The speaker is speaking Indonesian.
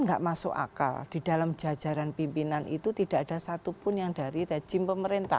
nggak masuk akal di dalam jajaran pimpinan itu tidak ada satupun yang dari rejim pemerintah